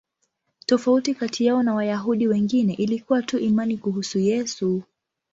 Tofauti kati yao na Wayahudi wengine ilikuwa tu imani kuhusu Yesu.